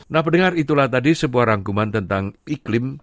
nah pendengar itulah tadi sebuah rangkuman tentang iklim